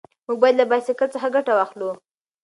موږ باید له بایسکل څخه ګټه واخلو.